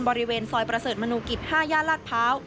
บริเวณซอยประเสริฐมนุกิจ๕ย่านลาดพร้าว